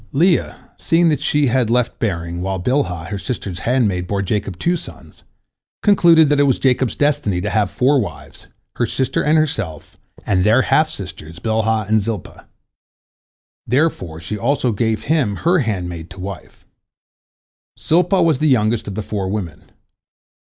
" Leah, seeing that she had left bearing, while Bilhah, her sister's handmaid, bore Jacob two sons, concluded that it was Jacob's destiny to have four wives, her sister and herself, and their half sisters Bilhah and Zilpah. Therefore she also gave him her handmaid to wife. Zilpah was the youngest of the four women.